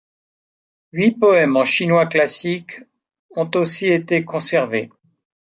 Huit poèmes en chinois classique ont aussi été conservés.